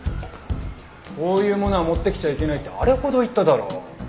こういうものは持ってきちゃいけないってあれほど言っただろう。